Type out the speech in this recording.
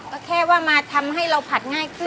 ก็แค่ว่ามาทำให้เราผัดง่ายขึ้น